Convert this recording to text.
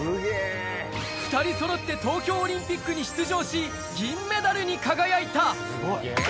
２人そろって東京オリンピックに出場し、銀メダルに輝いた。